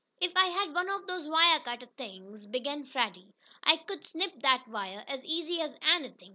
"If I had one of those wire cutter things," began Freddie, "I could snip that wire as easy as anything."